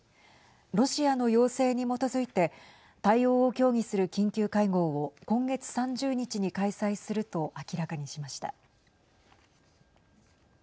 ロシアの要請に基づいて対応を協議する緊急会合を今月３０日に開催すると明らかにしました。